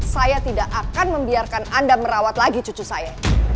saya tidak akan membiarkan anda merawat lagi cucu saya